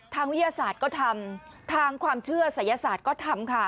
วิทยาศาสตร์ก็ทำทางความเชื่อศัยศาสตร์ก็ทำค่ะ